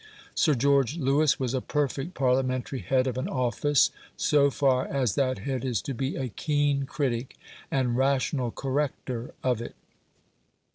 Sir George Lewis was a perfect Parliamentary head of an office, so far as that head is to be a keen critic and rational corrector of it.